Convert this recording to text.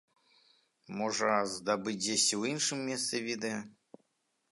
Можа, здабыць дзесьці ў іншым месцы відэа.